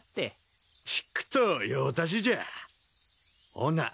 ほな。